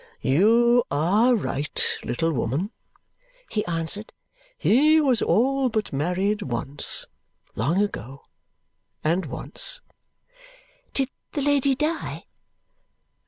"You are right, little woman," he answered. "He was all but married once. Long ago. And once." "Did the lady die?"